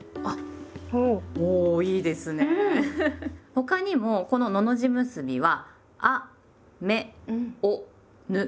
他にもこの「のの字結び」は「あ・め・お・ぬ」